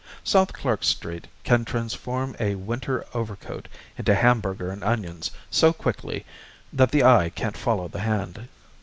South Clark Street can transform a winter overcoat into hamburger and onions so quickly that the eye can't follow the hand.